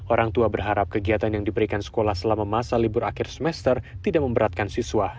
orang tua berharap kegiatan yang diberikan sekolah selama masa libur akhir semester tidak memberatkan siswa